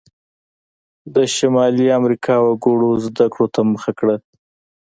د شمالي امریکا وګړو زده کړو ته مخه کړه.